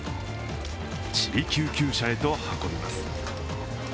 ちび救急車へと運びます。